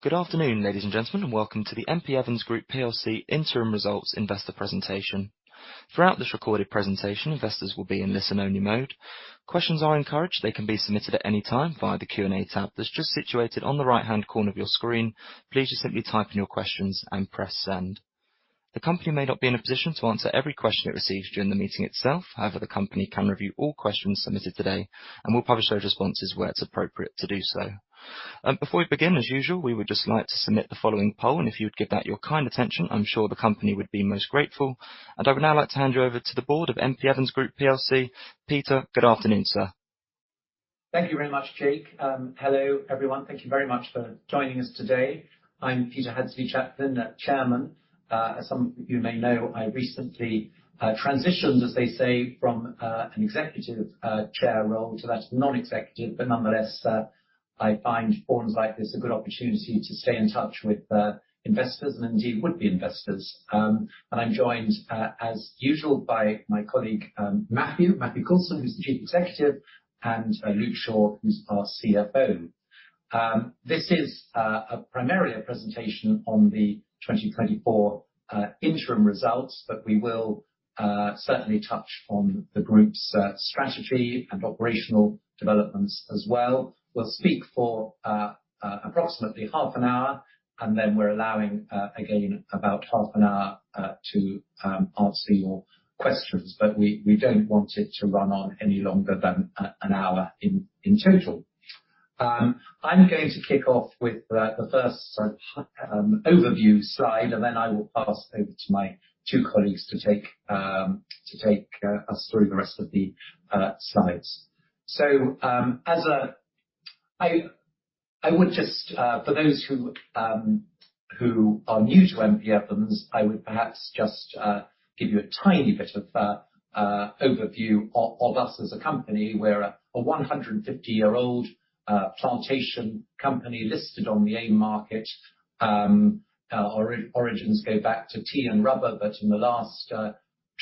Good afternoon, ladies and gentlemen, and welcome to the M.P. Evans Group PLC Interim Results Investor Presentation. Throughout this recorded presentation, investors will be in listen-only mode. Questions are encouraged. They can be submitted at any time via the Q&A tab that's just situated on the right-hand corner of your screen. Please just simply type in your questions and press send. The company may not be in a position to answer every question it receives during the meeting itself. However, the company can review all questions submitted today and will publish those responses where it's appropriate to do so. Before we begin, as usual, we would just like to submit the following poll, and if you would give that your kind attention, I'm sure the company would be most grateful. I would now like to hand you over to the board of M.P. Evans Group PLC. Peter, Good afternoon, sir. Thank you very much, Jake. Hello, everyone. Thank you very much for joining us today. I'm Peter Hadsley-Chaplin, Chairman. As some of you may know, I recently transitioned, as they say, from an executive chair role to that of non-executive. But nonetheless, I find forums like this a good opportunity to stay in touch with investors and indeed would-be investors. And I'm joined, as usual, by my colleague, Matthew Coulson, who's the Chief Executive, and Luke Shaw, who's our CFO. This is primarily a presentation on the 2024 interim results, but we will certainly touch on the group's strategy and operational developments as well. We'll speak for approximately half an hour, and then we're allowing again about half an hour to answer your questions, but we don't want it to run on any longer than an hour in total. I'm going to kick off with the first overview slide, and then I will pass over to my two colleagues to take us through the rest of the slides. So, I would just for those who are new to M.P. Evans, I would perhaps just give you a tiny bit of overview of us as a company. We're a 150-year-old plantation company listed on the AIM market. Our origins go back to tea and rubber, but in the last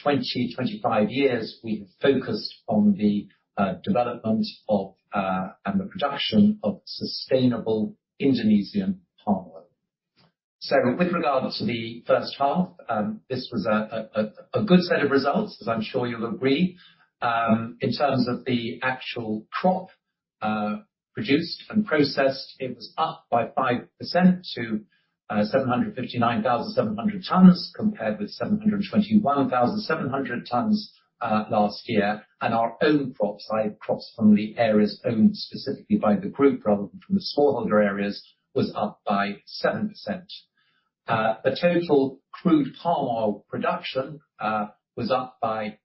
25 years, we've focused on the development of and the production of sustainable Indonesian palm oil. So with regard to the first half, this was a good set of results, as I'm sure you'll agree. In terms of the actual crop produced and processed, it was up by 5% to 759,700 tonnes, compared with 721,700 tonnes last year. And our own crops, like, crops from the areas owned specifically by the group, rather than from the smallholder areas, was up by 7%. The total crude palm oil production was up by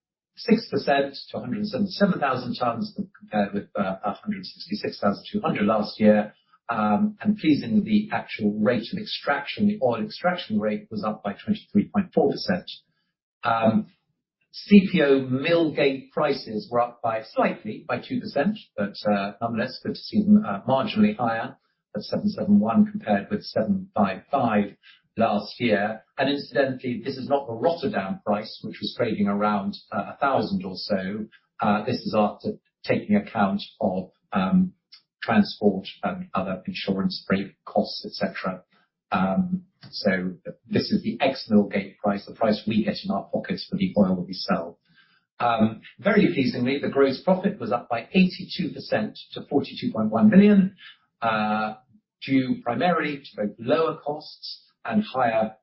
6% to 177,000 tonnes, compared with 166,200 last year. And pleasingly, the actual rate of extraction, the oil extraction rate, was up by 23.4%. CPO mill gate prices were up by slightly, by 2%, but nonetheless, good to see them marginally higher at $771, compared with $755 last year. And incidentally, this is not the Rotterdam price, which was trading around $1,000 or so. This is after taking account of transport and other insurance, freight costs, et cetera. So this is the ex-mill gate price, the price we get in our pockets for the oil that we sell. Very pleasingly, the gross profit was up by 82% to 42.1 billion, due primarily to both lower costs and higher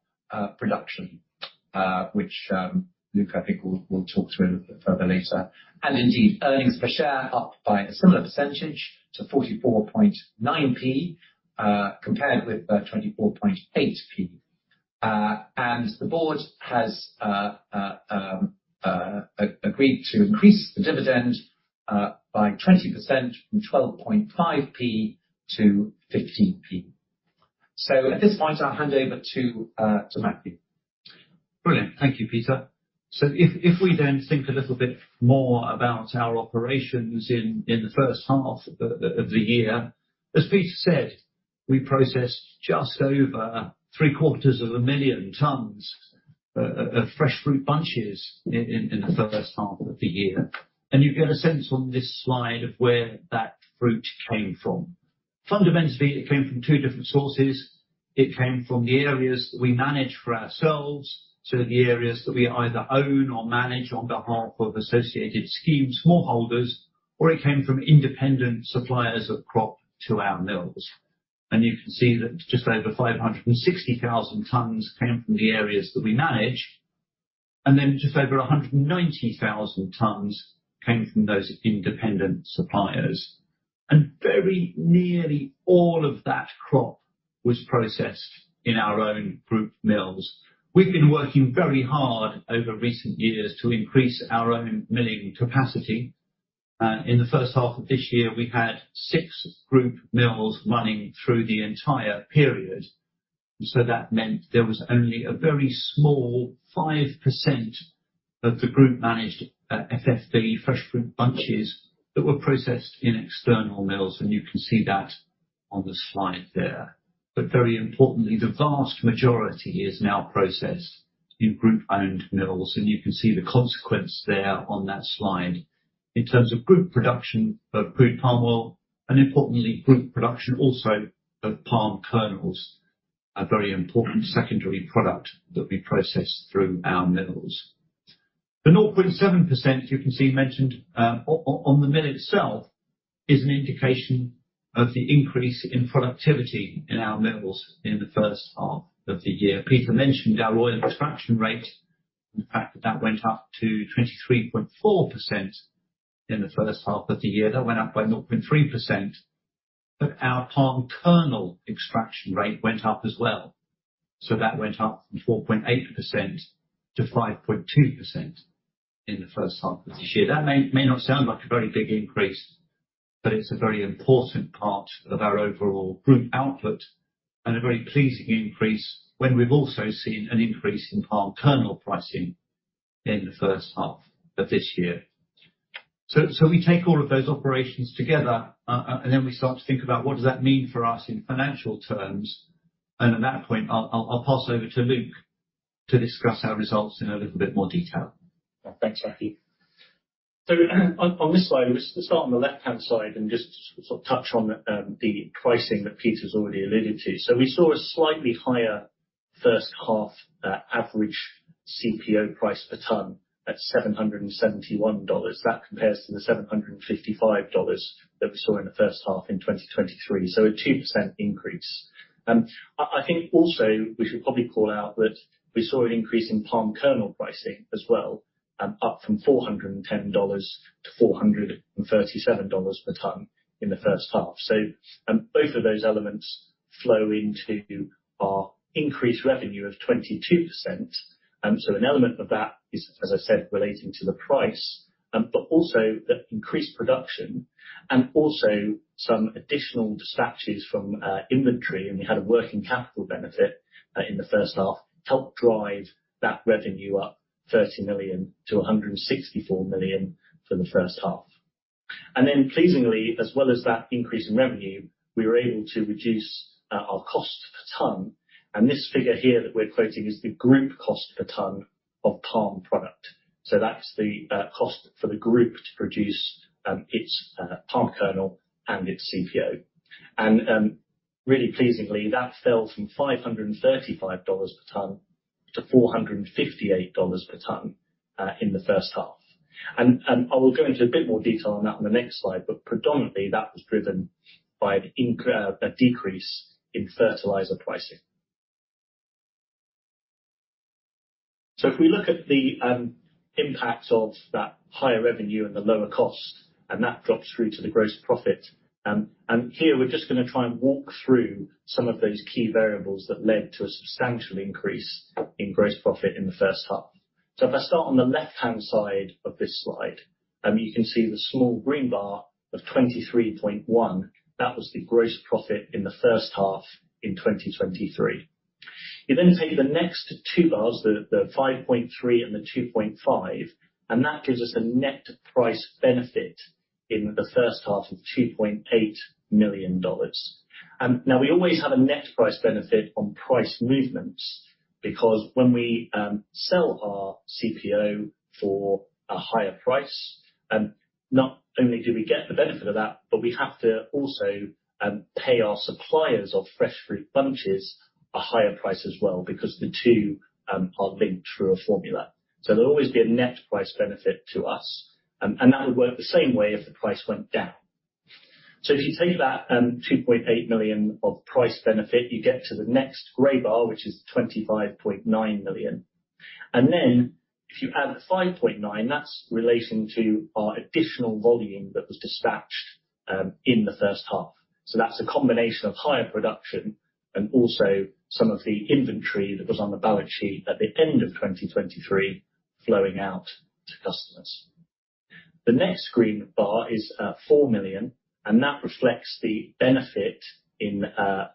production, which Luke, I think, will talk to a little bit further later. Indeed, earnings per share up by a similar percentage to 44.9p, compared with 24.8p. The board has agreed to increase the dividend by 20% from 12.5p to 15p. So at this point, I'll hand over to Matthew. Brilliant. Thank you, Peter. So if we then think a little bit more about our operations in the first half of the year, as Peter said, we processed just over 750,000 tonnes of fresh fruit bunches in the first half of the year. You get a sense on this slide of where that fruit came from. Fundamentally, it came from two different sources. It came from the areas that we manage for ourselves, so the areas that we either own or manage on behalf of associated scheme smallholders, or it came from independent suppliers of crop to our mills. You can see that just over 560,000 tonnes came from the areas that we manage, and then just over 190,000 tonnes came from those independent suppliers. Very nearly all of that crop was processed in our own group mills. We've been working very hard over recent years to increase our own milling capacity. In the first half of this year, we had six group mills running through the entire period, so that meant there was only a very small 5% of the group managed FFB, fresh fruit bunches, that were processed in external mills, and you can see that on the slide there. But very importantly, the vast majority is now processed in group-owned mills, and you can see the consequence there on that slide. In terms of group production of crude palm oil, and importantly, group production also of palm kernels, a very important secondary product that we process through our mills. The 0.7%, you can see mentioned on the mill itself, is an indication of the increase in productivity in our mills in the first half of the year. Peter mentioned our oil extraction rate, and the fact that that went up to 23.4% in the first half of the year. That went up by 0.3%, but our palm kernel extraction rate went up as well. So that went up from 4.8% to 5.2% in the first half of this year. That may, may not sound like a very big increase, but it's a very important part of our overall group output, and a very pleasing increase, when we've also seen an increase in palm kernel pricing in the first half of this year. So we take all of those operations together, and then we start to think about what does that mean for us in financial terms? And at that point, I'll pass over to Luke, to discuss our results in a little bit more detail. Thanks, Matthew. So on this slide, let's start on the left-hand side and just sort of touch on the pricing that Peter's already alluded to. So we saw a slightly higher first half average CPO price per tonne at $771. That compares to the $755 that we saw in the first half in 2023, so a 2% increase. I think also we should probably call out that we saw an increase in palm kernel pricing as well, up from $410-$437 per tonne in the first half. So, both of those elements flow into our increased revenue of 22%, and so an element of that is, as I said, relating to the price, but also the increased production, and also some additional dispatches from inventory, and we had a working capital benefit in the first half, helped drive that revenue up 30 million to 164 million for the first half. And then pleasingly, as well as that increase in revenue, we were able to reduce our cost per tonne, and this figure here that we're quoting is the group cost per tonne of palm product. So that's the cost for the group to produce its palm kernel and its CPO. And really pleasingly, that fell from $535 per tonne to $458 per tonne in the first half. And I will go into a bit more detail on that on the next slide, but predominantly, that was driven by a decrease in fertilizer pricing. So if we look at the impact of that higher revenue and the lower cost, and that drops through to the gross profit, and here we're just gonna try and walk through some of those key variables that led to a substantial increase in gross profit in the first half. So if I start on the left-hand side of this slide, you can see the small green bar of $23.1. That was the gross profit in the first half in 2023. You then take the next two bars, the 5.3 and the 2.5, and that gives us a net price benefit in the first half of $2.8 million. Now, we always have a net price benefit on price movements, because when we sell our CPO for a higher price, not only do we get the benefit of that, but we have to also pay our suppliers of fresh fruit bunches a higher price as well, because the two are linked through a formula. So there'll always be a net price benefit to us, and that would work the same way if the price went down. So if you take that $2.8 million of price benefit, you get to the next gray bar, which is $25.9 million. And then, if you add the 5.9, that's relating to our additional volume that was dispatched in the first half. So that's a combination of higher production, and also some of the inventory that was on the balance sheet at the end of 2023, flowing out to customers. The next green bar is 4 million, and that reflects the benefit in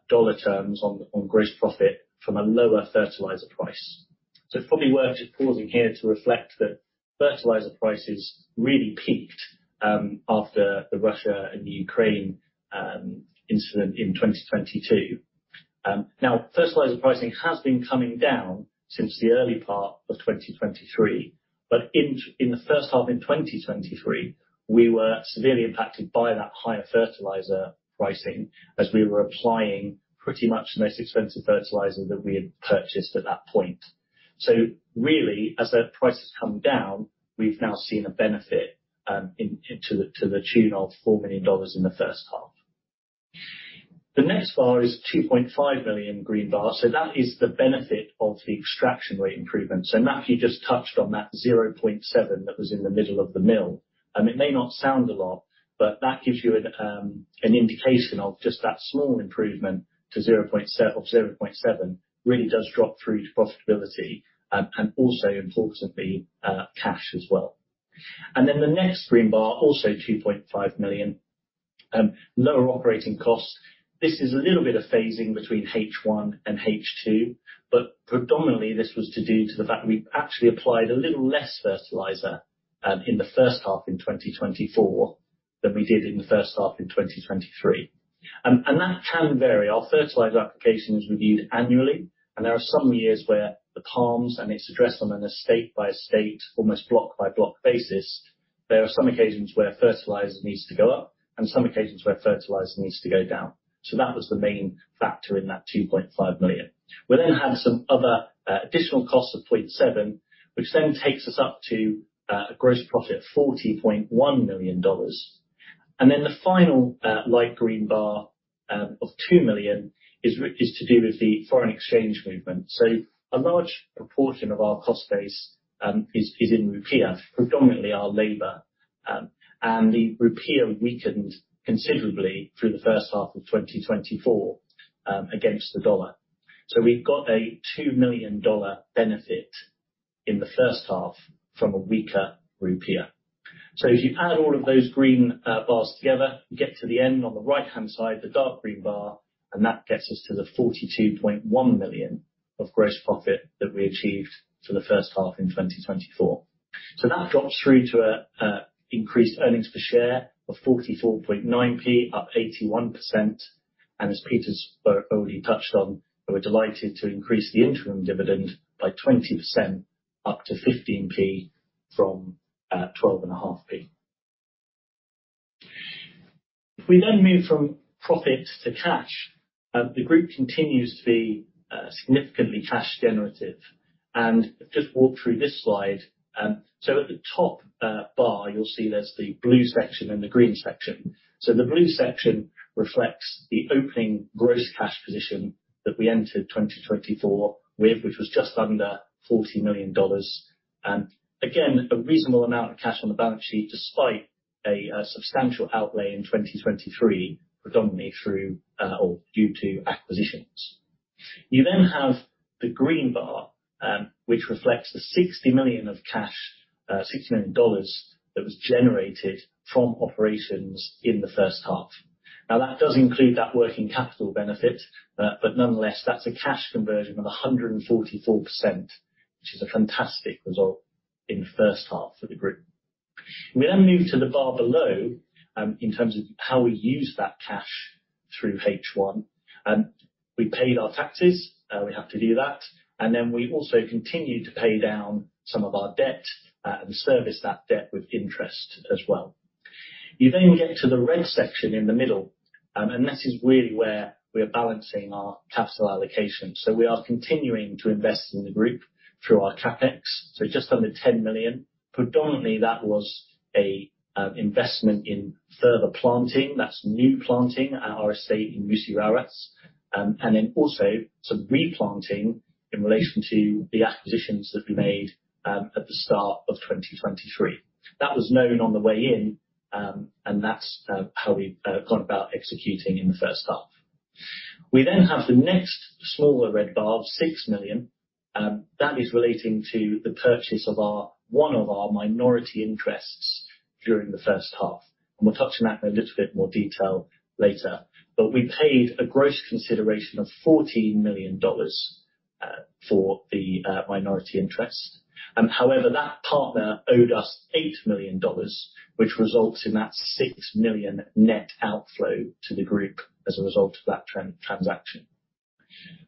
dollar terms, on gross profit from a lower fertilizer price. So it's probably worth just pausing here to reflect, that fertilizer prices really peaked after the Russia and Ukraine incident in 2022. Now, fertilizer pricing has been coming down since the early part of 2023, but in the first half of 2023, we were severely impacted by that higher fertilizer pricing, as we were applying pretty much the most expensive fertilizer that we had purchased at that point. So really, as the price has come down, we've now seen a benefit to the tune of $4 million in the first half. The next bar is 2.5 million green bar, so that is the benefit of the extraction rate improvements. So Matthew just touched on that 0.7 that was in the middle of the mill. It may not sound a lot, but that gives you an indication of just that small improvement to 0.7, really does drop through to profitability, and also importantly, cash as well. Then the next green bar, also $2.5 million, lower operating costs. This is a little bit of phasing between H1 and H2, but predominantly, this was due to the fact that we actually applied a little less fertilizer in the first half in 2024, than we did in the first half in 2023. And that can vary. Our fertilizer application is reviewed annually, and there are some years where the palms, and it's addressed on an estate by estate, almost block by block basis, there are some occasions where fertilizer needs to go up and some occasions where fertilizer needs to go down. So that was the main factor in that $2.5 million. We then had some other additional costs of $0.7 million, which then takes us up to a gross profit of $40.1 million. And then the final light green bar of $2 million is to do with the foreign exchange movement. So a large proportion of our cost base is in rupiah, predominantly our labor. And the rupiah weakened considerably through the first half of 2024 against the dollar. So we've got a $2 million benefit in the first half from a weaker rupiah. So if you add all of those green bars together, you get to the end on the right-hand side, the dark green bar, and that gets us to the $42.1 million of gross profit that we achieved for the first half in 2024. So that drops through to an increased earnings per share of 44.9p, up 81%, and as Peter's already touched on, we're delighted to increase the interim dividend by 20%, up to 15p, from 12.5p. If we then move from profit to cash, the group continues to be significantly cash generative. Just walk through this slide, so at the top bar, you'll see there's the blue section and the green section. So the blue section reflects the opening gross cash position that we entered 2024 with, which was just under $40 million. And again, a reasonable amount of cash on the balance sheet, despite a substantial outlay in 2023, predominantly through or due to acquisitions. You then have the green bar, which reflects the $60 million of cash, $60 million dollars that was generated from operations in the first half. Now, that does include that working capital benefit, but nonetheless, that's a cash conversion of 144%, which is a fantastic result in the first half for the group. We then move to the bar below, in terms of how we used that cash through H1, and we paid our taxes, we have to do that. Then we also continued to pay down some of our debt, and service that debt with interest as well. You then get to the red section in the middle, and this is really where we are balancing our capital allocation. So we are continuing to invest in the group through our CapEx, so just under $10 million. Predominantly, that was a investment in further planting. That's new planting at our estate in Musi Rawas. And then also some replanting in relation to the acquisitions that we made, at the start of 2023. That was known on the way in, and that's how we gone about executing in the first half. We then have the next smaller red bar of $6 million that is relating to the purchase of one of our minority interests during the first half, and we'll touch on that in a little bit more detail later. But we paid a gross consideration of $14 million for the minority interest. However, that partner owed us $8 million, which results in that $6 million net outflow to the group as a result of that transaction.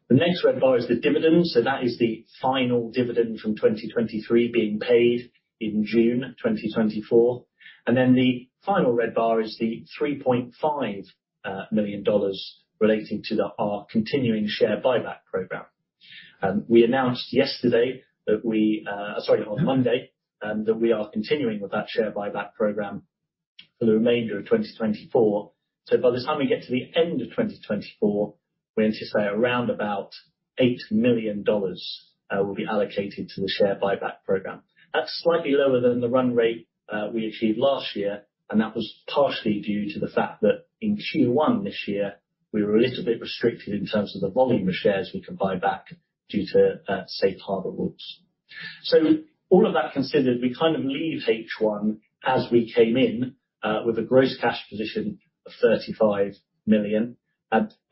The next red bar is the dividend, so that is the final dividend from 2023 being paid in June 2024. And then the final red bar is the $3.5 million relating to our continuing share buyback program. We announced yesterday that we, on Monday, that we are continuing with that share buyback program for the remainder of 2024. So by the time we get to the end of 2024, we anticipate around about $8 million will be allocated to the share buyback program. That's slightly lower than the run rate we achieved last year, and that was partially due to the fact that in Q1 this year, we were a little bit restricted in terms of the volume of shares we could buy back due to safe harbor rules. So all of that considered, we kind of leave H1 as we came in with a gross cash position of $35 million.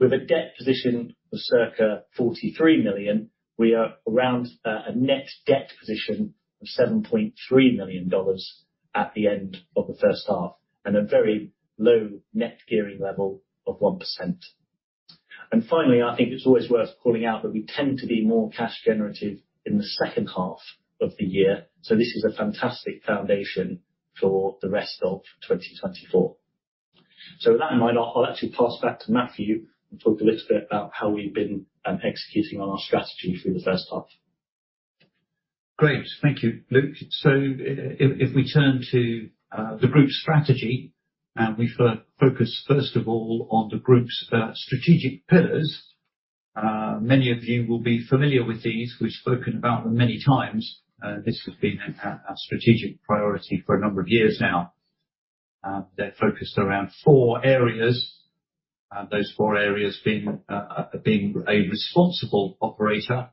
With a debt position of circa $43 million, we are around a net debt position of $7.3 million at the end of the first half, and a very low net gearing level of 1%. Finally, I think it's always worth calling out that we tend to be more cash generative in the second half of the year, so this is a fantastic foundation for the rest of 2024. With that in mind, I'll actually pass back to Matthew to talk a little bit about how we've been executing on our strategy through the first half. Great. Thank you, Luke. So if we turn to the group's strategy, and we focus first of all, on the group's strategic pillars, many of you will be familiar with these. We've spoken about them many times. This has been a strategic priority for a number of years now. They're focused around four areas, and those four areas being a responsible operator,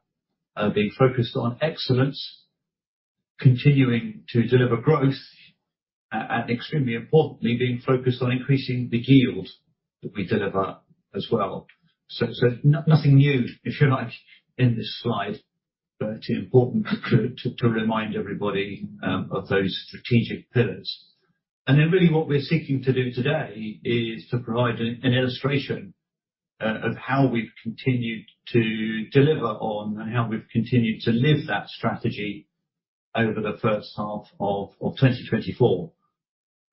being focused on excellence, continuing to deliver growth, and extremely importantly, being focused on increasing the yield that we deliver as well. So nothing new, if you like, in this slide, but important to remind everybody of those strategic pillars. Then really what we're seeking to do today is to provide an illustration of how we've continued to deliver on, and how we've continued to live that strategy over the first half of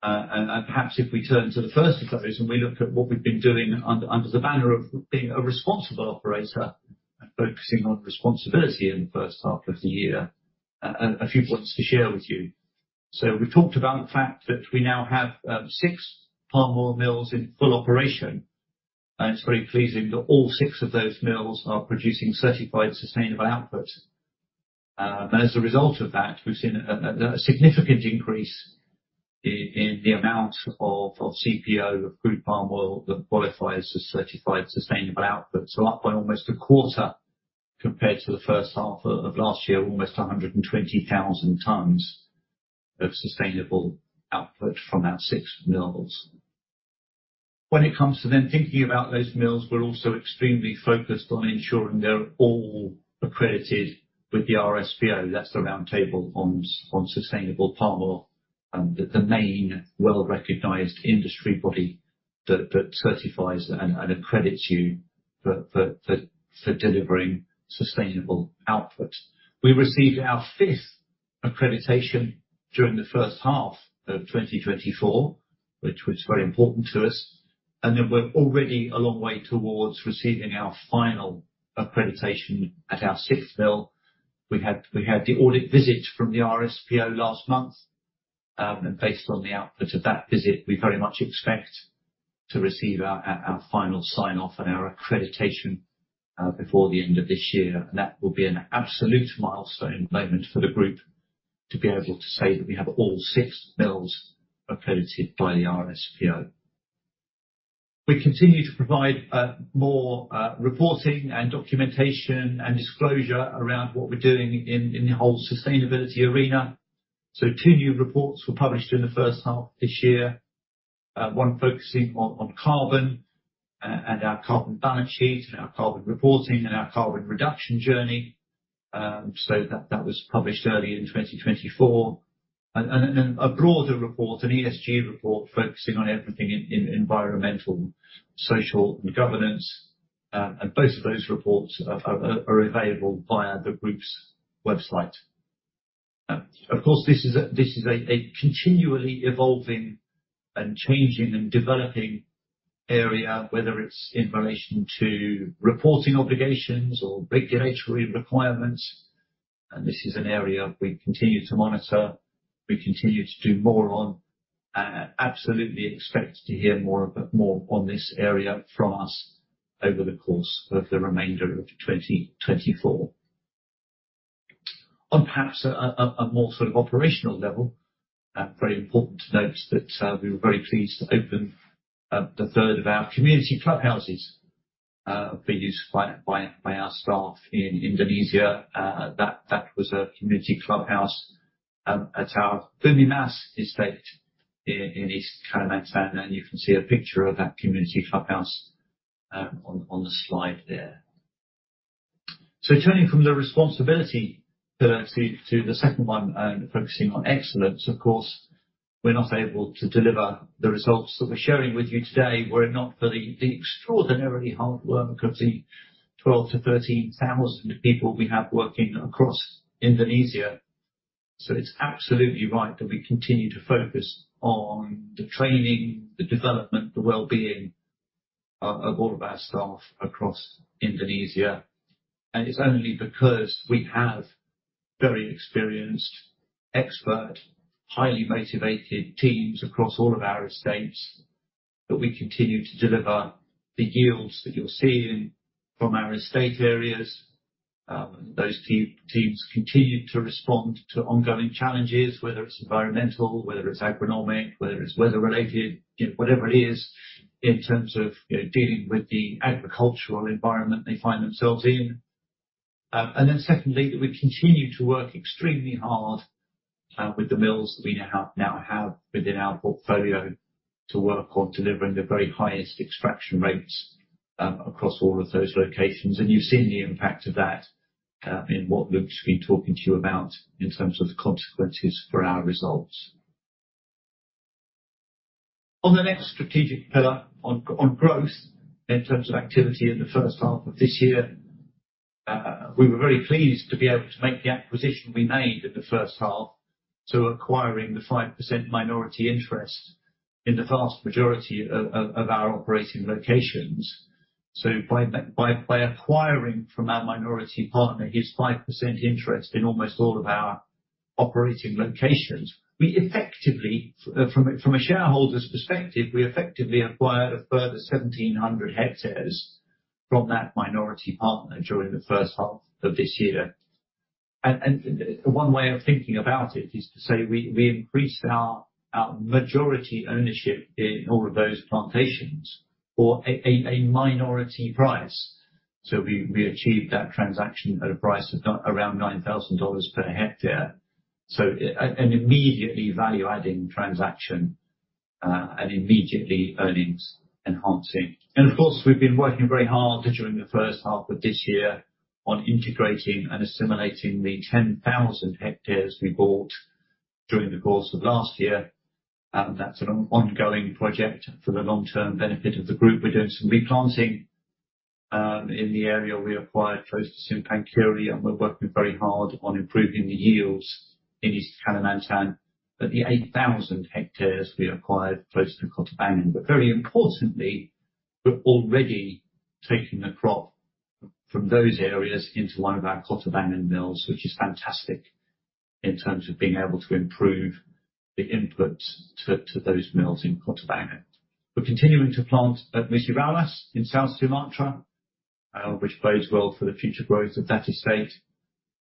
2024. And perhaps if we turn to the first of those, and we look at what we've been doing under the banner of being a responsible operator, and focusing on responsibility in the first half of the year, a few points to share with you. So we've talked about the fact that we now have six palm oil mills in full operation, and it's very pleasing that all six of those mills are producing certified sustainable output. As a result of that, we've seen a significant increase in the amount of CPO, group palm oil, that qualifies as certified sustainable output. Up by almost a quarter compared to the first half of last year, almost 120,000 tonnes of sustainable output from our six mills. When it comes to then thinking about those mills, we're also extremely focused on ensuring they're all accredited with the RSPO. That's the Roundtable on Sustainable Palm Oil, the main well-recognized industry body that certifies and accredits you for delivering sustainable output. We received our fifth accreditation during the first half of 2024, which was very important to us, and then we're already a long way towards receiving our final accreditation at our sixth mill. We had the audit visit from the RSPO last month, and based on the output of that visit, we very much expect to receive our final sign-off and our accreditation before the end of this year. That will be an absolute milestone moment for the group, to be able to say that we have all six mills accredited by the RSPO. We continue to provide more reporting and documentation, and disclosure around what we're doing in the whole sustainability arena. Two new reports were published in the first half of this year. One focusing on carbon and our carbon balance sheet, and our carbon reporting, and our carbon reduction journey, so that was published early in 2024. And then a broader report, an ESG report, focusing on everything in environmental, social, and governance, and both of those reports are available via the group's website. Of course, this is a continually evolving and changing and developing area, whether it's in relation to reporting obligations or regulatory requirements, and this is an area we continue to monitor, we continue to do more on, and absolutely expect to hear more of, more on this area from us over the course of the remainder of 2024. On perhaps a more sort of operational level, very important to note that we were very pleased to open the third of our community clubhouses for use by our staff in Indonesia. That, that was a community clubhouse at our Bumi Mas estate in, in East Kalimantan, and you can see a picture of that community clubhouse on, on the slide there. So turning from the responsibility pillar to, to the second one, focusing on excellence, of course, we're not able to deliver the results that we're sharing with you today, were it not for the, the extraordinarily hard work of the 12,000-13,000 people we have working across Indonesia. So it's absolutely right that we continue to focus on the training, the development, the wellbeing of, of all of our staff across Indonesia. And it's only because we have very experienced, expert, highly motivated teams across all of our estates, that we continue to deliver the yields that you're seeing from our estate areas. Those teams continue to respond to ongoing challenges, whether it's environmental, whether it's agronomic, whether it's weather-related, you know, whatever it is, in terms of, you know, dealing with the agricultural environment they find themselves in. And then secondly, that we continue to work extremely hard with the mills that we now have within our portfolio, to work on delivering the very highest extraction rates across all of those locations. And you've seen the impact of that in what Luke's been talking to you about in terms of the consequences for our results. On the next strategic pillar, on growth, in terms of activity in the first half of this year, we were very pleased to be able to make the acquisition we made in the first half, to acquiring the 5% minority interest in the vast majority of our operating locations. So by acquiring from our minority partner, his 5% interest in almost all of our operating locations, we effectively, from a shareholder's perspective, we effectively acquired a further 1,700 hectares from that minority partner during the first half of this year. And one way of thinking about it is to say, we increased our majority ownership in all of those plantations for a minority price. So we achieved that transaction at a price of around $9,000 per hectare. An immediately value-adding transaction and immediately earnings enhancing. Of course, we've been working very hard during the first half of this year on integrating and assimilating the 10,000 hectares we bought during the course of last year. That's an ongoing project for the long-term benefit of the group. We're doing some replanting in the area we acquired close to Simpang Kiri, and we're working very hard on improving the yields in East Kalimantan, at the 8,000 hectares we acquired close to Kota Bangun. But very importantly, we're already taking the crop from those areas into one of our Kota Bangun mills, which is fantastic in terms of being able to improve the input to, to those mills in Kota Bangun. We're continuing to plant at Musi Rawas, in South Sumatra, which bodes well for the future growth of that estate,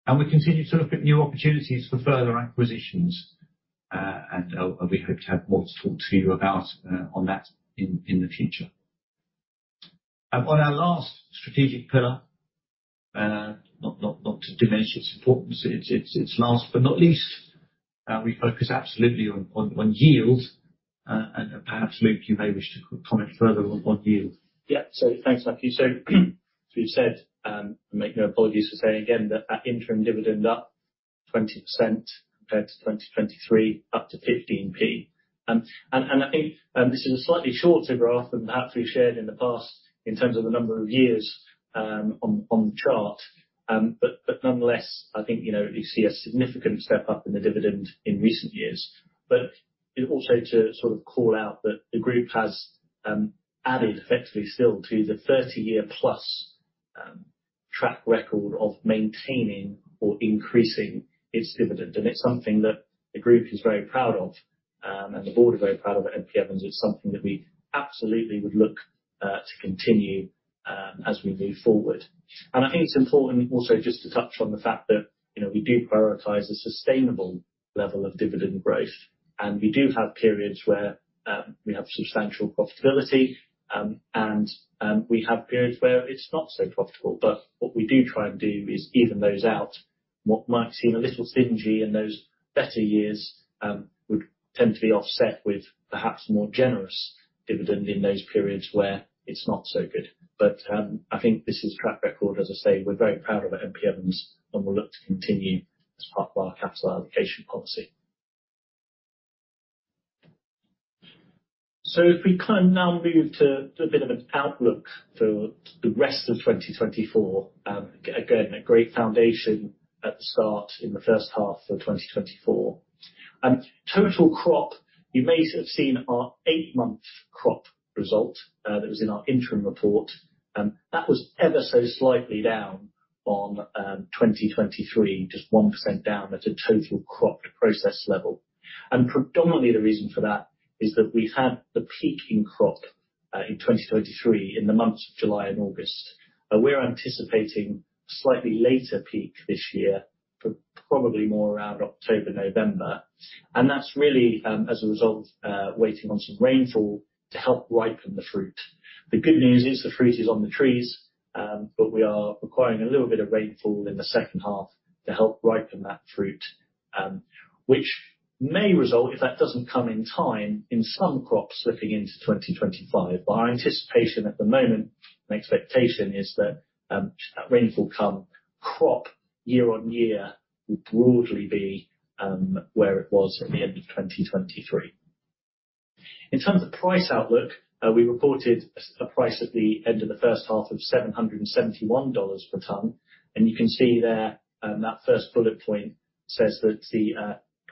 and we continue to look at new opportunities for further acquisitions. We hope to have more to talk to you about on that in the future. On our last strategic pillar, not to diminish its importance, it's last but not least, we focus absolutely on yield, and perhaps, Luke, you may wish to comment further on yield. Yeah. So thanks, Matthew. So as we've said, I make no apologies for saying again, that our interim dividend up 20% compared to 2023, up to 15p. And I think this is a slightly shorter graph than perhaps we've shared in the past, in terms of the number of years on the chart. But nonetheless, I think, you know, you see a significant step up in the dividend in recent years. But also to sort of call out that the group has added effectively still to the 30-year+ track record of maintaining or increasing its dividend. And it's something that the group is very proud of, and the board is very proud of at M.P. Evans. It's something that we absolutely would look to continue as we move forward. And I think it's important also just to touch on the fact that, you know, we do prioritize a sustainable level of dividend growth, and we do have periods where we have substantial profitability, and we have periods where it's not so profitable. But what we do try and do is even those out, what might seem a little stingy in those better years would tend to be offset with perhaps more generous dividend in those periods where it's not so good. But I think this is track record, as I say, we're very proud of at M.P. Evans, and we'll look to continue as part of our capital allocation policy. So if we can now move to a bit of an outlook for the rest of 2024, again, a great foundation at the start in the first half of 2024. Total crop, you may have seen our eight-month crop result, that was in our interim report. That was ever so slightly down on 2023, just 1% down at a total crop process level. Predominantly, the reason for that is that we had the peak in crop in 2023, in the months of July and August. We're anticipating slightly later peak this year, but probably more around October, November. That's really as a result of waiting on some rainfall to help ripen the fruit. The good news is, the fruit is on the trees, but we are requiring a little bit of rainfall in the second half to help ripen that fruit, which may result, if that doesn't come in time, in some crops slipping into 2025. Our anticipation at the moment, and expectation, is that should that rainfall come, crop year-on-year will broadly be where it was at the end of 2023. In terms of price outlook, we reported a price at the end of the first half of $771 per ton, and you can see there that first bullet point says that the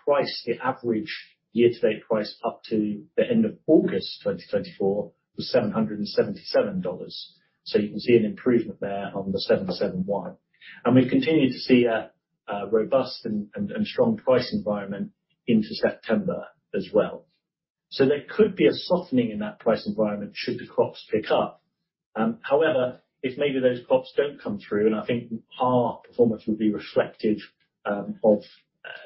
price, the average year-to-date price up to the end of August 2024, was $777. So you can see an improvement there on the 771. And we've continued to see a robust and strong price environment into September as well. So there could be a softening in that price environment should the crops pick up. However, if maybe those crops don't come through, and I think our performance will be reflective of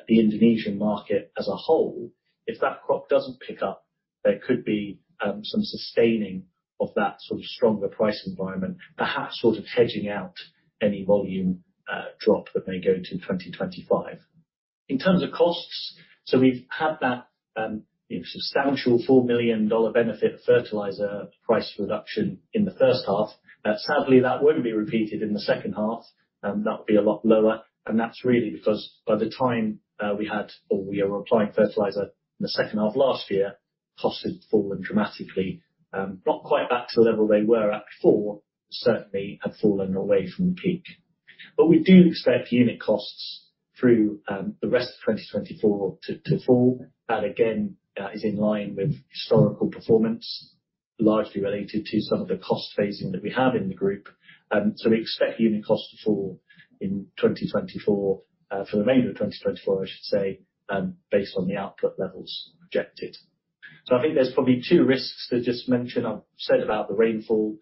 the Indonesian market as a whole, if that crop doesn't pick up, there could be some sustaining of that sort of stronger price environment, perhaps sort of hedging out any volume drop that may go into 2025. In terms of costs, so we've had that substantial $4 million benefit of fertilizer price reduction in the first half. Sadly, that won't be repeated in the second half, that'll be a lot lower, and that's really because by the time we had, or we were applying fertilizer in the second half last year, costs had fallen dramatically, not quite back to the level they were at before. Certainly, had fallen away from the peak. But we do expect unit costs through the rest of 2024 to fall, and again, that is in line with historical performance, largely related to some of the cost phasing that we have in the group. So we expect unit costs to fall in 2024 for the remainder of 2024, I should say, based on the output levels projected. So I think there's probably two risks to just mention. I've said about the rainfall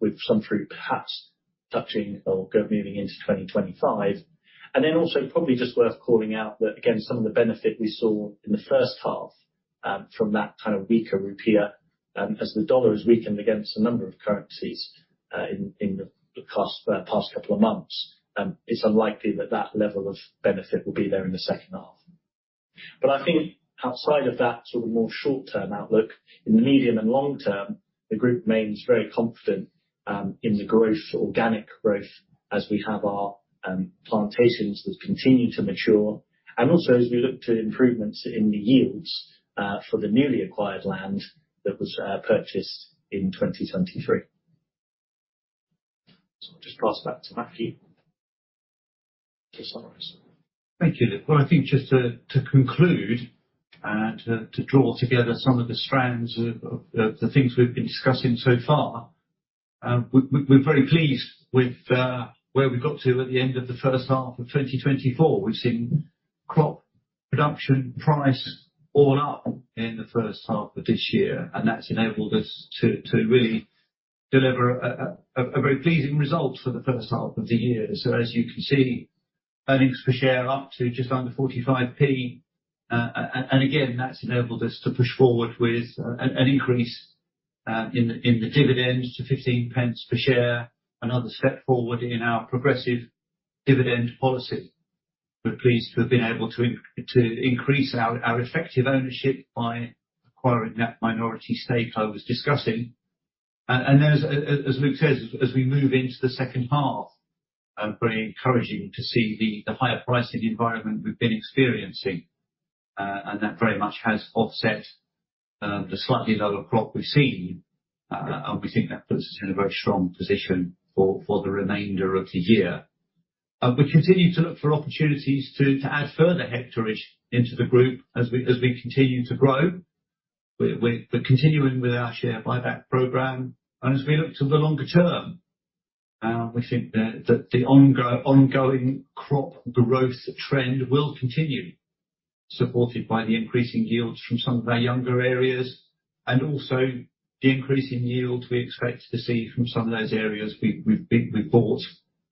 with some fruit perhaps touching or moving into 2025. And then also, probably just worth calling out that, again, some of the benefit we saw in the first half from that kind of weaker rupiah- As the dollar has weakened against a number of currencies, in the past couple of months, it's unlikely that that level of benefit will be there in the second half. But I think outside of that sort of more short-term outlook, in the medium and long term, the group remains very confident in the growth, organic growth, as we have our plantations that continue to mature, and also as we look to improvements in the yields for the newly acquired land that was purchased in 2023. So I'll just pass back to Matthew to summarize. Thank you, Luke. Well, I think just to conclude and to draw together some of the strands of the things we've been discussing so far, we're very pleased with where we've got to at the end of the first half of 2024. We've seen crop production price all up in the first half of this year, and that's enabled us to really deliver a very pleasing result for the first half of the year. So as you can see, earnings per share are up to just under 45p. And again, that's enabled us to push forward with an increase in the dividend to 15 pence per share, another step forward in our progressive dividend policy. We're pleased to have been able to increase our effective ownership by acquiring that minority stake I was discussing. And as Luke says, as we move into the second half, very encouraging to see the higher pricing environment we've been experiencing, and that very much has offset the slightly lower crop we've seen. We think that puts us in a very strong position for the remainder of the year. We continue to look for opportunities to add further hectarage into the group as we continue to grow. We're continuing with our share buyback program, and as we look to the longer term, we think that the ongoing crop growth trend will continue, supported by the increasing yields from some of our younger areas, and also the increasing yields we expect to see from some of those areas we've bought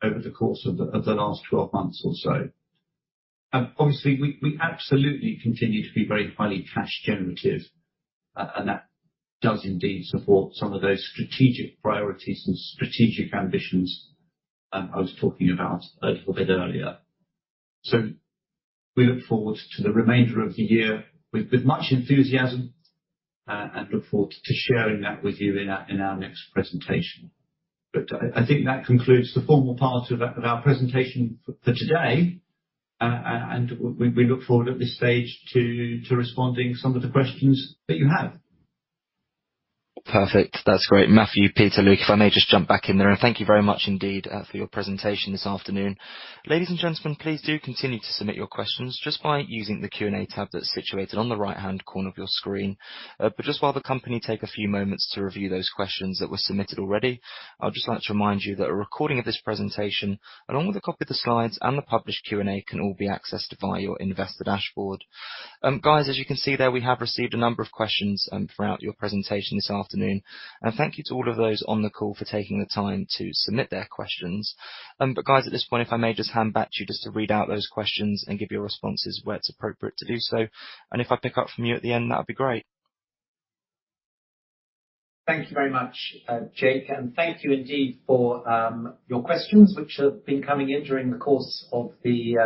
over the course of the last 12 months or so. And obviously, we absolutely continue to be very highly cash generative, and that does indeed support some of those strategic priorities and strategic ambitions I was talking about a little bit earlier. So we look forward to the remainder of the year with much enthusiasm, and look forward to sharing that with you in our next presentation. But I think that concludes the formal part of our presentation for today, and we look forward, at this stage, to responding to some of the questions that you have. Perfect. That's great. Matthew, Peter, Luke, if I may just jump back in there, and thank you very much indeed, for your presentation this afternoon. Ladies and gentlemen, please do continue to submit your questions just by using the Q&A tab that's situated on the right-hand corner of your screen. But just while the company take a few moments to review those questions that were submitted already, I'd just like to remind you that a recording of this presentation, along with a copy of the slides and the published Q&A, can all be accessed via your investor dashboard. Guys, as you can see there, we have received a number of questions, throughout your presentation this afternoon, and thank you to all of those on the call for taking the time to submit their questions. But, guys, at this point, if I may just hand back to you just to read out those questions and give your responses where it's appropriate to do so, and if I pick up from you at the end, that would be great. Thank you very much, Jake, and thank you indeed for your questions, which have been coming in during the course of the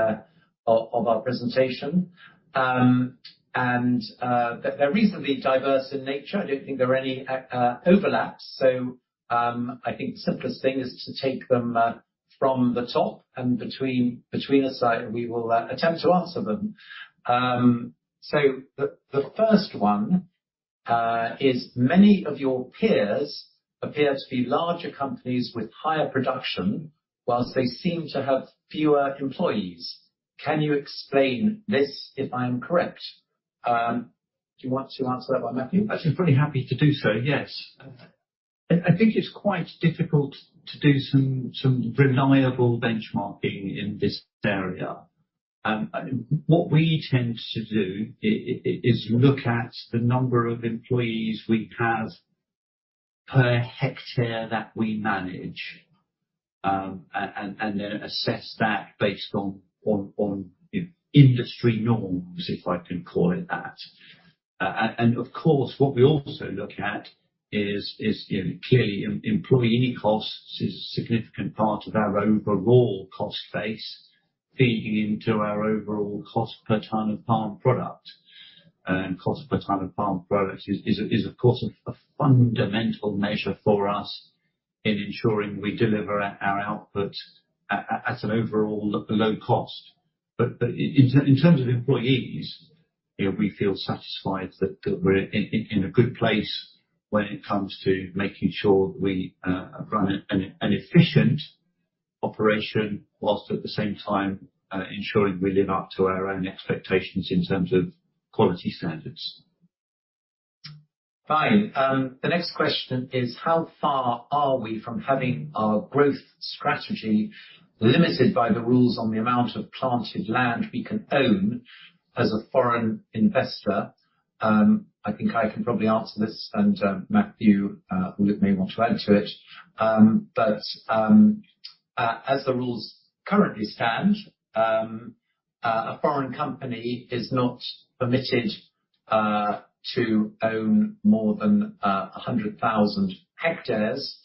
of our presentation. And they're reasonably diverse in nature. I don't think there are any overlaps, so I think the simplest thing is to take them from the top, and between us, we will attempt to answer them. So the first one is: Many of your peers appear to be larger companies with higher production, while they seem to have fewer employees. Can you explain this, if I am correct? Do you want to answer that one, Matthew? I'd be pretty happy to do so, yes. I think it's quite difficult to do some reliable benchmarking in this area. What we tend to do is look at the number of employees we have per hectare that we manage, and then assess that based on industry norms, if I can call it that. And of course, what we also look at is, you know, clearly employee costs is a significant part of our overall cost base, feeding into our overall cost per tonne of palm product. Cost per tonne of palm product is, of course, a fundamental measure for us in ensuring we deliver our output at an overall low cost. But in terms of employees, you know, we feel satisfied that we're in a good place when it comes to making sure we run an efficient operation, whilst at the same time, ensuring we live up to our own expectations in terms of quality standards. Fine. The next question is: How far are we from having our growth strategy limited by the rules on the amount of planted land we can own as a foreign investor? I think I can probably answer this, and, Matthew, or Luke, may want to add to it. But as the rules currently stand, a foreign company is not permitted to own more than 100,000 hectares.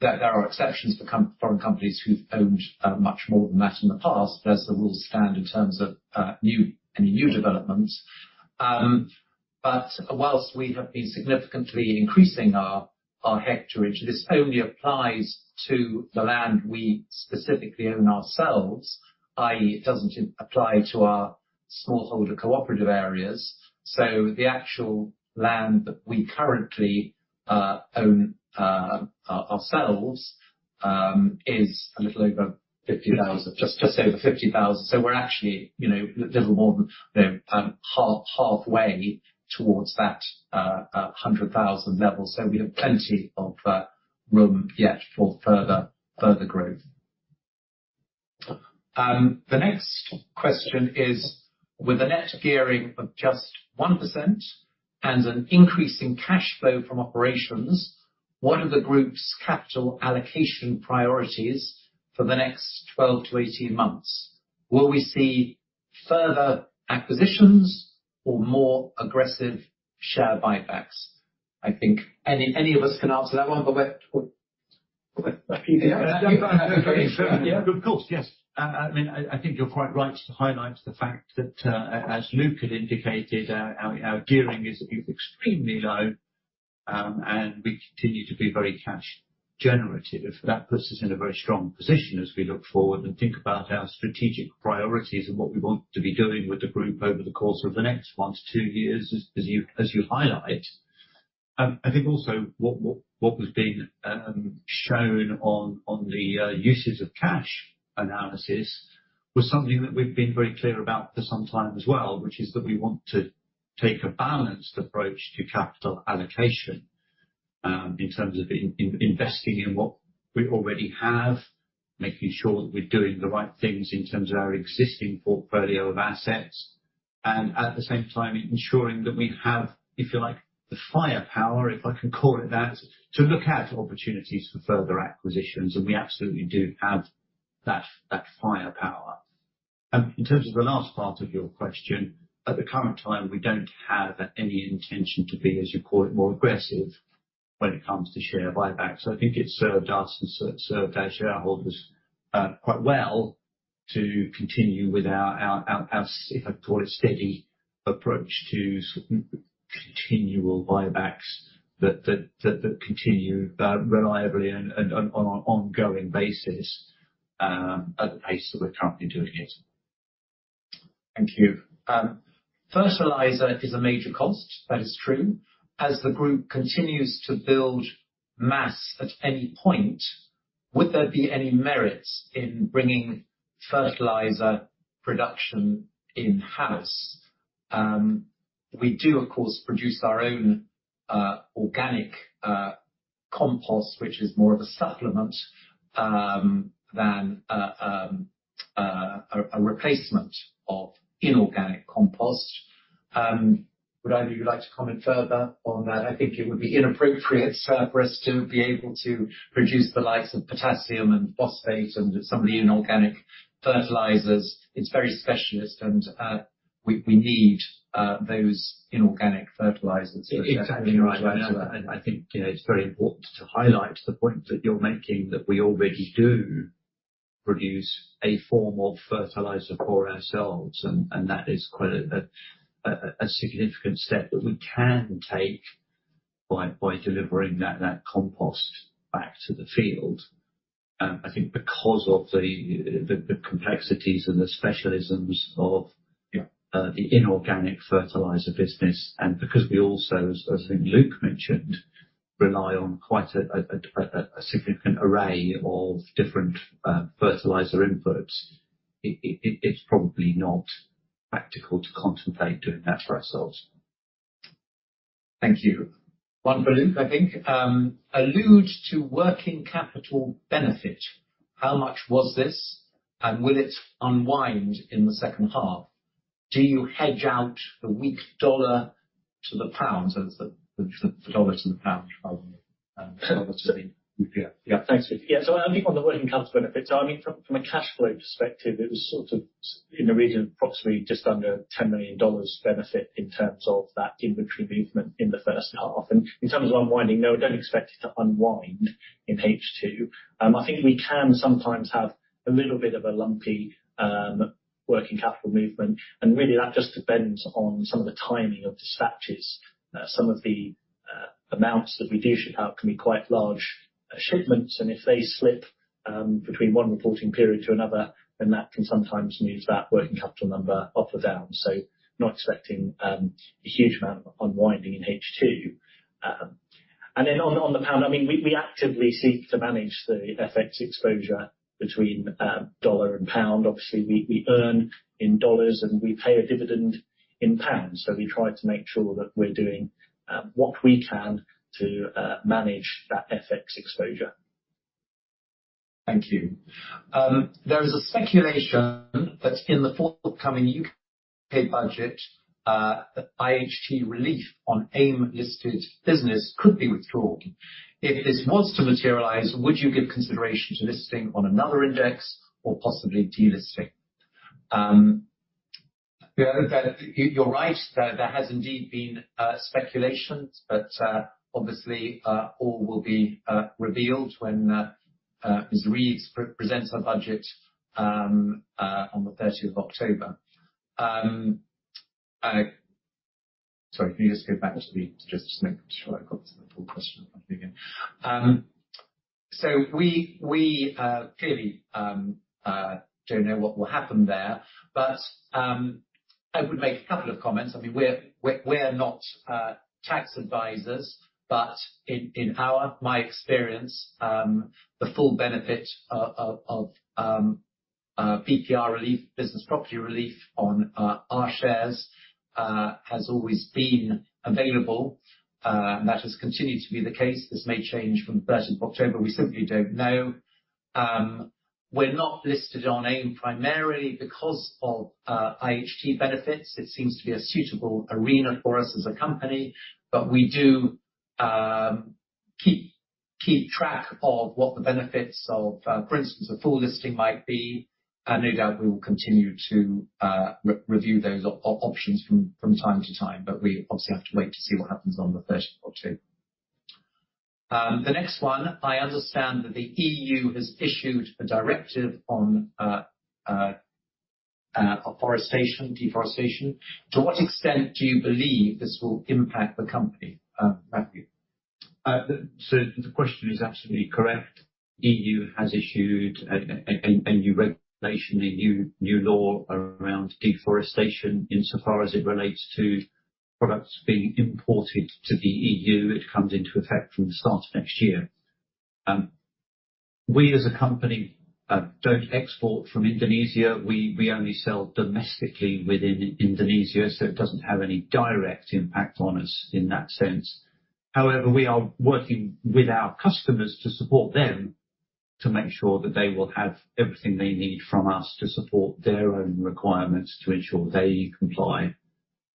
There are exceptions for foreign companies who've owned much more than that in the past, but as the rules stand in terms of new, any new developments. But whilst we have been significantly increasing our hectarage, this only applies to the land we specifically own ourselves, i.e., it doesn't apply to our smallholder cooperative areas. So the actual land that we currently own ourselves is a little over 50,000. Just, just over 50,000. So we're actually, you know, a little more than half, halfway towards that 100,000 level, so we have plenty of room yet for further growth. The next question is: with a net gearing of just 1% and an increase in cash flow from operations, what are the group's capital allocation priorities for the next 12-18 months? Will we see further acquisitions or more aggressive share buybacks? I think any of us can answer that one, but we- Yeah, of course. Yes. I mean, I think you're quite right to highlight the fact that, as Luke had indicated, our gearing is extremely low, and we continue to be very cash generative. That puts us in a very strong position as we look forward and think about our strategic priorities and what we want to be doing with the group over the course of the next 1-2 years, as you highlight. I think also what was being shown on the usage of cash analysis was something that we've been very clear about for some time as well, which is that we want to take a balanced approach to capital allocation, in terms of investing in what we already have, making sure that we're doing the right things in terms of our existing portfolio of assets, and at the same time, ensuring that we have, if you like, the firepower, if I can call it that, to look at opportunities for further acquisitions, and we absolutely do have that firepower. In terms of the last part of your question, at the current time, we don't have any intention to be, as you call it, more aggressive when it comes to share buybacks. I think it served us and served our shareholders quite well to continue with our, if I call it, steady approach to continual buybacks that continue reliably and on an ongoing basis at the pace that we're currently doing it. Thank you. Fertilizer is a major cost, that is true. As the group continues to build mass, at any point, would there be any merit in bringing fertilizer production in-house? We do, of course, produce our own organic compost, which is more of a supplement than a replacement of inorganic compost. Would either of you like to comment further on that? I think it would be inappropriate for us to be able to produce the likes of potassium and phosphate and some of the inorganic fertilizers. It's very specialist, and we need those inorganic fertilizers. Exactly right. And I think, you know, it's very important to highlight the point that you're making, that we already do produce a form of fertilizer for ourselves, and that is quite a significant step that we can take by delivering that compost back to the field. I think because of the complexities and the specialisms of the inorganic fertilizer business, and because we also, as I think Luke mentioned, rely on quite a significant array of different fertilizer inputs, it's probably not practical to contemplate doing that for ourselves. Thank you. One for Luke, I think. Alluded to working capital benefit, how much was this, and will it unwind in the second half? Do you hedge out the weak dollar to the pound, so the, the dollar to the pound, rather? Yeah. Yeah, thanks. Yeah, so I think on the working capital benefit, I mean, from a cash flow perspective, it was sort of in the region of approximately just under $10 million benefit in terms of that inventory movement in the first half. And in terms of unwinding, no, I don't expect it to unwind in H2. I think we can sometimes have a little bit of a lumpy working capital movement, and really, that just depends on some of the timing of dispatches. Some of the amounts that we do ship out can be quite large shipments, and if they slip between one reporting period to another, then that can sometimes move that working capital number up or down. So not expecting a huge amount of unwinding in H2. And then on the pound, I mean, we actively seek to manage the FX exposure between dollar and pound. Obviously, we earn in dollars, and we pay a dividend in pounds, so we try to make sure that we're doing what we can to manage that FX exposure. Thank you. There is a speculation that in the forthcoming UK budget, the IHT relief on AIM-listed business could be withdrawn. If this was to materialize, would you give consideration to listing on another index or possibly delisting? Yeah, that, you're right. There has indeed been speculation, but obviously all will be revealed when as Ms. Reeves presents her budget on the 30th of October. Sorry, can you just go back to make sure I've got the full question again? So we clearly don't know what will happen there, but I would make a couple of comments. I mean, we're not tax advisors, but in my experience, the full benefit of BPR relief, business property relief on our shares has always been available and that has continued to be the case. This may change from the 30th of October, we simply don't know. We're not listed on AIM, primarily because of IHT benefits. It seems to be a suitable arena for us as a company, but we do keep track of what the benefits of, for instance, a full listing might be. And no doubt we will continue to review those options from time to time, but we obviously have to wait to see what happens on the 30th of October. The next one, I understand that the EU has issued a directive on deforestation. To what extent do you believe this will impact the company, Matthew? So the question is absolutely correct. EU has issued a new regulation, a new law around deforestation. Insofar as it relates to products being imported to the EU, it comes into effect from the start of next year. We, as a company, don't export from Indonesia. We only sell domestically within Indonesia, so it doesn't have any direct impact on us in that sense. However, we are working with our customers to support them, to make sure that they will have everything they need from us to support their own requirements, to ensure they comply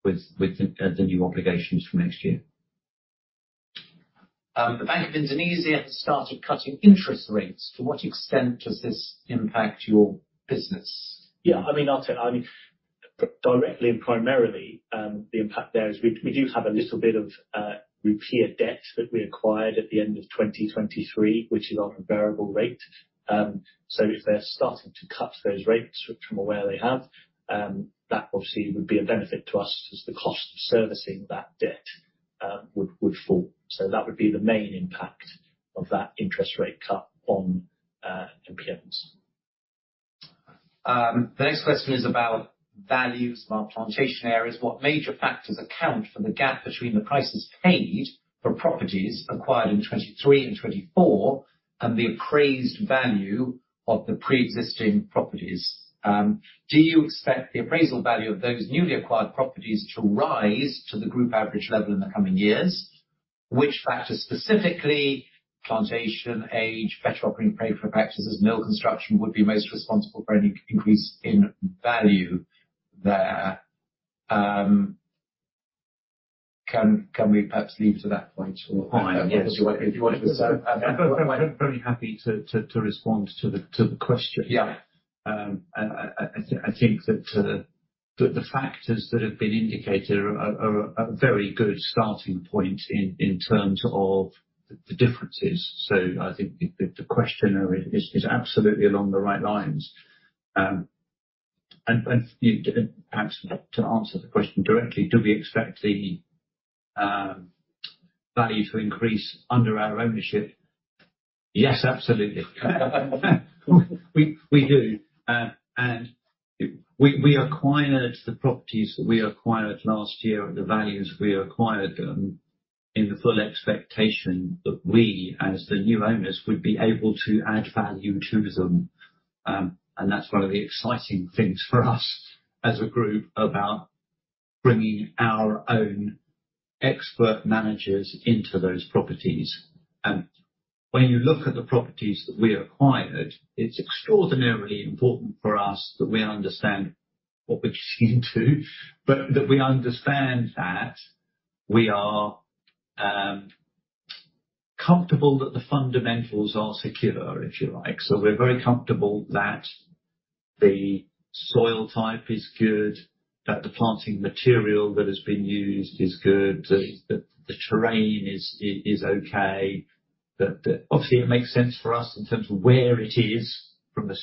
with the new obligations from next year. The Bank of Indonesia has started cutting interest rates. To what extent does this impact your business? Yeah, I mean, I'll tell—I mean, directly and primarily, the impact there is we do have a little bit of rupiah debt that we acquired at the end of 2023, which is on a variable rate. So if they're starting to cut those rates, which I'm aware they have, that obviously would be a benefit to us as the cost of servicing that debt would fall. So that would be the main impact of that interest rate cut on M.P. Evans. The next question is about values, about plantation areas. What major factors account for the gap between the prices paid for properties acquired in 2023 and 2024, and the appraised value of the pre-existing properties? Do you expect the appraisal value of those newly acquired properties to rise to the group average level in the coming years? Which factors, specifically, plantation, age, better operating practices, mill construction, would be most responsible for any increase in value there? Can we perhaps leave to that point or- Fine, yes. If you want to- I'm very, very happy to respond to the question. Yeah. And I think that the factors that have been indicated are a very good starting point in terms of the differences. So I think the questionnaire is absolutely along the right lines. And perhaps to answer the question directly, do we expect the value to increase under our ownership? Yes, absolutely. We do. And we acquired the properties that we acquired last year at the values we acquired them, in the full expectation that we, as the new owners, would be able to add value to them. And that's one of the exciting things for us as a group about bringing our own expert managers into those properties. And when you look at the properties that we acquired, it's extraordinarily important for us that we understand what we're into, but that we understand that we are comfortable that the fundamentals are secure, if you like. So we're very comfortable that the soil type is good, that the planting material that has been used is good, that the terrain is okay, that obviously it makes sense for us in terms of where it is from a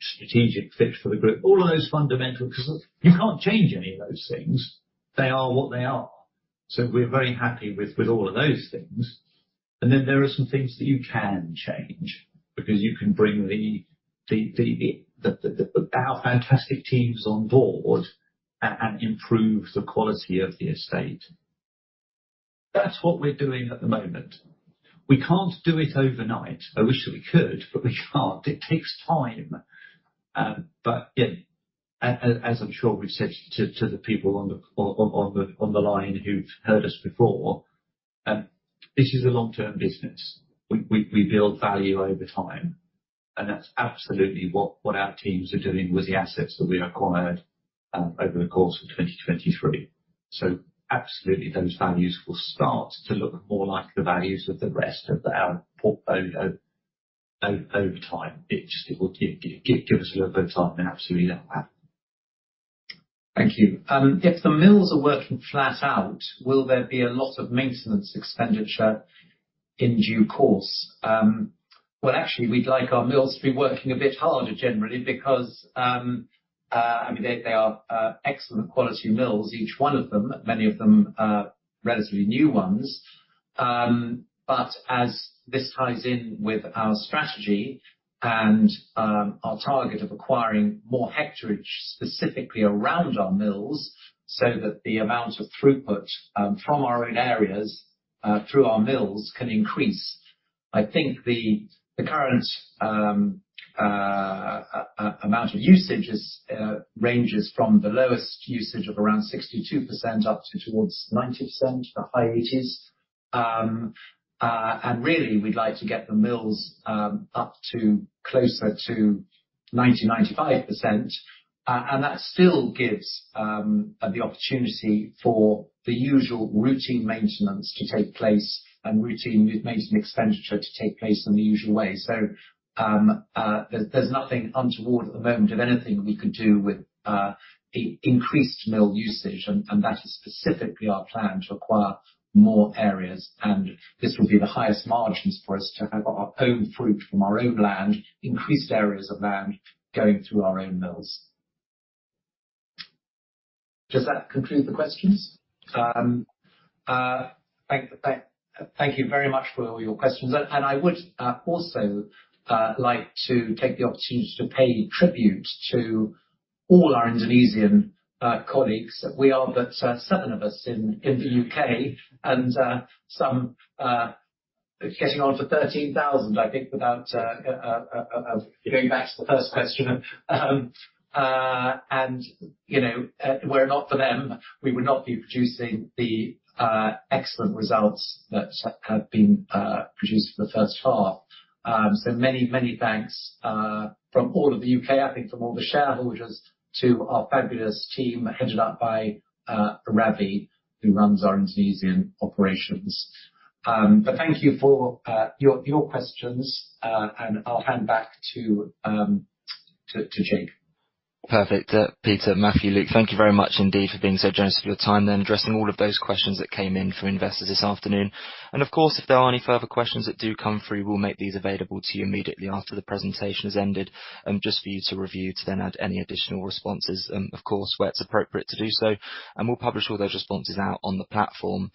strategic fit for the group. All of those fundamentals, because you can't change any of those things. They are what they are. So we're very happy with all of those things. And then there are some things that you can change, because you can bring our fantastic teams on board and improve the quality of the estate. That's what we're doing at the moment. We can't do it overnight. I wish we could, but we can't. It takes time. But yeah, as I'm sure we've said to the people on the line who've heard us before, this is a long-term business. We build value over time. And that's absolutely what our teams are doing with the assets that we acquired over the course of 2023. So absolutely, those values will start to look more like the values of the rest of our portfolio over time. It just will give us a little bit of time, and absolutely that will happen. Thank you. If the mills are working flat out, will there be a lot of maintenance expenditure in due course? Well, actually, we'd like our mills to be working a bit harder generally, because I mean, they are excellent quality mills, each one of them, many of them relatively new ones. But as this ties in with our strategy and our target of acquiring more hectare, specifically around our mills, so that the amount of throughput from our own areas through our mills can increase. I think the current amount of usage ranges from the lowest usage of around 62%, up to towards 90%, the high 80s. And really, we'd like to get the mills up to closer to 90-95%. And that still gives the opportunity for the usual routine maintenance to take place and routine maintenance expenditure to take place in the usual way. So, there's nothing untoward at the moment of anything we could do with increased mill usage, and that is specifically our plan, to acquire more areas. And this will be the highest margins for us to have our own fruit from our own land, increased areas of land, going through our own mills. Does that conclude the questions? Thank you very much for all your questions. And I would also like to take the opportunity to pay tribute to all our Indonesian colleagues. We are but seven of us in the UK, and some getting on to 13,000, I think, without going back to the first question. And, you know, were it not for them, we would not be producing the excellent results that have been produced for the first half. So many, many thanks from all of the UK, I think from all the shareholders to our fabulous team, headed up by Ravi, who runs our Indonesian operations. But thank you for your questions, and I'll hand back to Jake. Perfect. Peter, Matthew, Luke, thank you very much indeed for being so generous with your time then, addressing all of those questions that came in from investors this afternoon. Of course, if there are any further questions that do come through, we'll make these available to you immediately after the presentation has ended, just for you to review, to then add any additional responses, of course, where it's appropriate to do so. We'll publish all those responses out on the platform.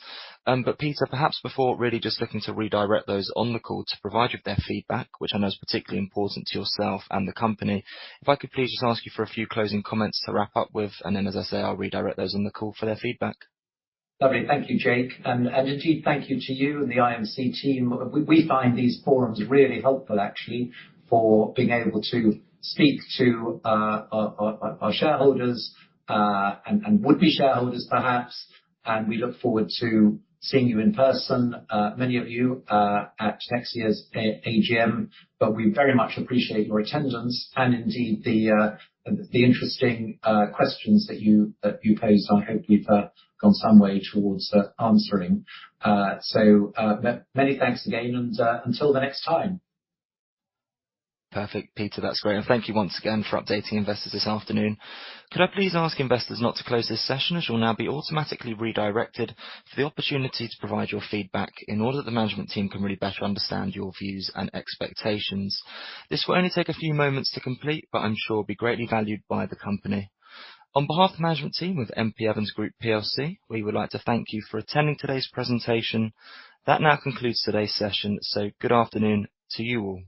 But Peter, perhaps before really just looking to redirect those on the call to provide you with their feedback, which I know is particularly important to yourself and the company, if I could please just ask you for a few closing comments to wrap up with, and then, as I say, I'll redirect those on the call for their feedback. Lovely. Thank you, Jake, and indeed, thank you to you and the IMC team. We find these forums really helpful, actually, for being able to speak to our shareholders and would-be shareholders, perhaps, and we look forward to seeing you in person, many of you, at next year's AGM. But we very much appreciate your attendance and indeed the interesting questions that you posed. I hope we've gone some way towards answering. So, many thanks again, and until the next time. Perfect, Peter. That's great, and thank you once again for updating investors this afternoon. Could I please ask investors not to close this session, as you'll now be automatically redirected for the opportunity to provide your feedback, in order that the management team can really better understand your views and expectations? This will only take a few moments to complete, but I'm sure be greatly valued by the company. On behalf of the management team with M.P. Evans Group PLC, we would like to thank you for attending today's presentation. That now concludes today's session, so good afternoon to you all.